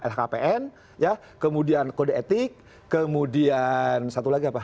lhkpn kemudian kode etik kemudian satu lagi apa